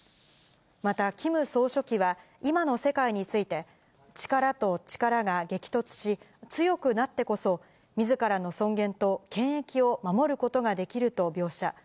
また、キム総書記は今の世界について、力と力が激突し、強くなってこそ、みずからの尊厳と権益を守ることができると描写。